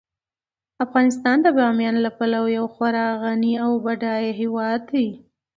افغانستان د بامیان له پلوه یو خورا غني او بډایه هیواد دی.